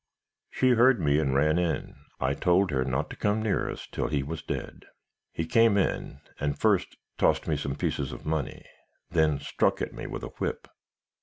"'She heard me, and ran in. I told her not to come near us till he was dead. He came in and first tossed me some pieces of money; then struck at me with a whip.